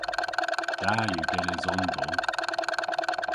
Da yw genes omdowl.